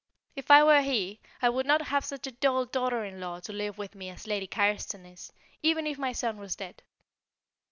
If I were he, I would not have such a dull daughter in law to live with me as Lady Carriston is, even if my son was dead.